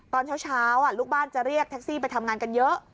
ตอนเช้าลูกบ้านจะเรียกแท็กซี่ไปทำงานกันเยอะ